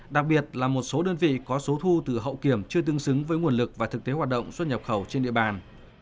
đặc biệt là một số đơn vị có số thu từ hậu kiểm chưa tương xứng với nguồn lực và thực tế hoạt động xuất nhập khẩu trên địa bàn